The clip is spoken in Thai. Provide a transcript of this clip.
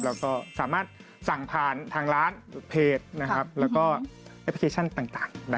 เราก็สามารถสั่งผ่านทางร้านเพจนะครับแล้วก็แอปพลิเคชันต่างได้